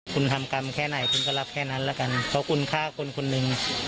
คุณทำกรรมแค่ไหนคุณก็รับแค่นั้นแล้วกันเพราะคุณฆ่าคนคนหนึ่ง